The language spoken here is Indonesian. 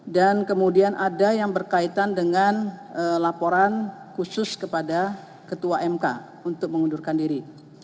dan kemudian ada yang berkaitan dengan laporan khusus kepada ketua mk untuk mengundurkan diri